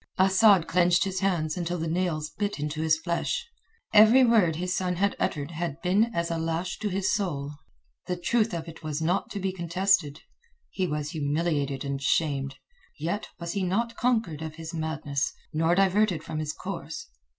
Asad clenched his hands until the nails bit into his flesh. Every word his son had uttered had been as a lash to his soul. The truth of it was not to be contested. He was humiliated and shamed. Yet was he not conquered of his madness, nor diverted from his course.